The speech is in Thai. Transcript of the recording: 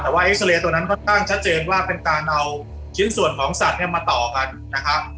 แต่ว่าเอ็กซาเรย์ตัวนั้นก็ตั้งชัดเจนว่าเป็นการเอาชิ้นส่วนของสัตว์เนี่ยมาต่อกันนะครับ